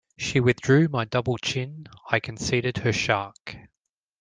She withdrew my double chin; I conceded her shark.